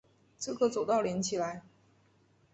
这个走道连起来